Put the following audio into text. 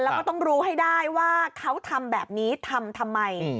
แล้วก็ต้องรู้ให้ได้ว่าเขาทำแบบนี้ทำทำไม